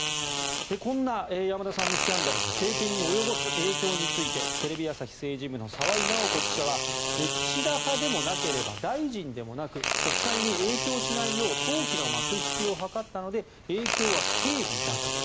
こんな山田さんのスキャンダルが政権に及ぼす影響についてテレビ朝日政治部の澤井尚子記者は岸田派でもなければ大臣でもなく国会に影響しないよう早期の幕引きを図ったので影響は軽微だと。